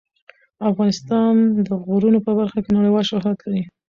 افغانستان د غرونه په برخه کې نړیوال شهرت لري.